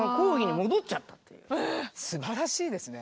すばらしいですね。